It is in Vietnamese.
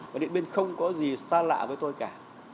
và điện biên không có gì xa lạ với tôi cả